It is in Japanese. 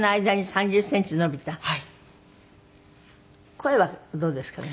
声はどうですかね？